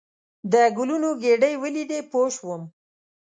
د ګلونو ګېدۍ ولیدې پوه شوم.